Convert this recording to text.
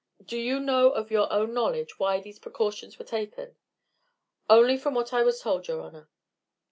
"Do you know of your own knowledge why these precautions were taken?" "Only from what I was told, your honor.